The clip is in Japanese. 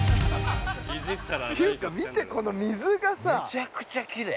◆というか、見て、この水がさ。◆めちゃくちゃきれい。